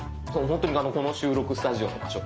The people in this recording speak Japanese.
本当にこの収録スタジオの場所